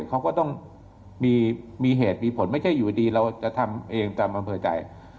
เขาก็ต้องมีเหตุมีผลไม่ใช่อยู่ดีเราจะทำเองตามอำเภอใจ